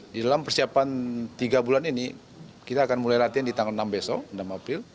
di dalam persiapan tiga bulan ini kita akan mulai latihan di tanggal enam besok enam april